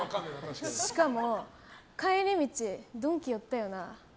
しかも、帰り道ドンキ寄ったよな？